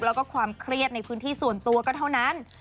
แล้วก็ความเครียดในพื้นที่ส่วนตัวก็เท่านั้น